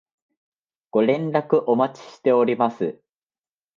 ご連絡お待ちしております